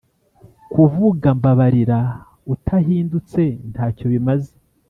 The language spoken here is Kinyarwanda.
kuvuga mbabarira utahindutse ntacyo bimaze